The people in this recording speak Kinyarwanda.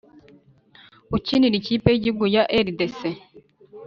ukinira ikipe y’igihugu ya rdc,